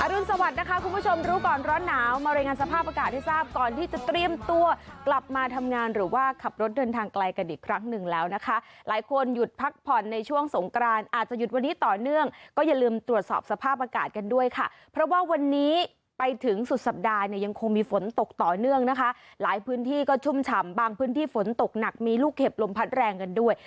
อรุณสวัสดิ์นะคะคุณผู้ชมรู้ก่อนร้อนหนาวมารายงานสภาพอากาศให้ทราบก่อนที่จะเตรียมตัวกลับมาทำงานหรือว่าขับรถเดินทางไกลกันอีกครั้งหนึ่งแล้วนะคะหลายคนหยุดพักผ่อนในช่วงสงกรานอาจจะหยุดวันนี้ต่อเนื่องก็อย่าลืมตรวจสอบสภาพอากาศกันด้วยค่ะเพราะว่าวันนี้ไปถึงสุดสัปดาห์เนี่ยยังคง